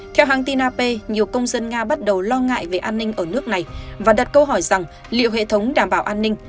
theo hãng tin ap nhiều công dân nga bắt đầu lo ngại về an ninh ở nước này và đặt câu hỏi rằng liệu hệ thống đảm bảo an ninh